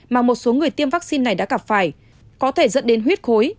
mà một số người tiêm vaccine này đã gặp phải có thể dẫn đến huyết khối